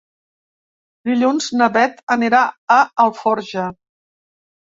Dilluns na Bet anirà a Alforja.